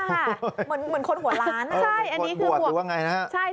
เหมือนคนหัวล้าน